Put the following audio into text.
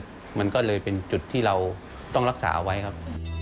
ก็จะเลิกมันก็เลยเป็นจุดที่เราต้องรักษาเอาไว้ครับ